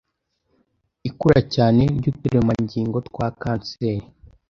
ikura cyane ry’uturemangingo twa kanseri